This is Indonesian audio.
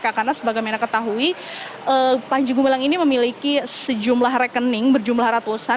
karena sebagai mana ketahui panji gumilang ini memiliki sejumlah rekening berjumlah ratusan